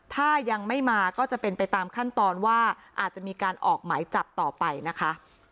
ถ้ายังไม่มาก็จะเป็นไปตามขั้นตอนว่าอาจจะมีการออกหมายจับต่อไปนะคะ